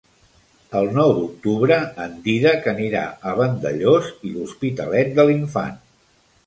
El nou d'octubre en Dídac anirà a Vandellòs i l'Hospitalet de l'Infant.